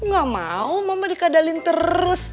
gak mau mama dikadalin terus